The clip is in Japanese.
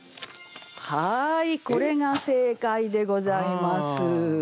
これが正解でございます。